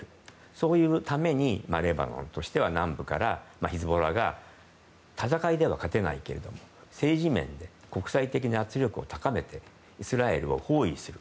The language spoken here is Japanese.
そういうためにレバノンとしては南部からヒズボラが戦いでは勝てないけれども、政治面で国際的な圧力を高めてイスラエルを包囲する。